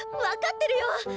分かってるよ！